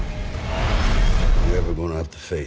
คุณจะต้องการรู้สิทธิ์